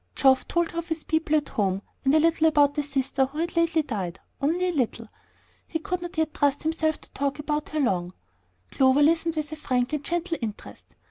Geoff told her of his people at home, and a little about the sister who had lately died; only a little, he could not yet trust himself to talk long about her. Clover listened with frank and gentle interest.